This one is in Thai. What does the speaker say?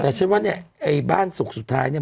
แต่ฉันว่าเนี่ยไอ้บ้านสุขสุดท้ายเนี่ย